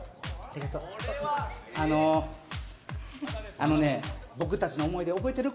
あのね、僕たちの思い出、覚えてる？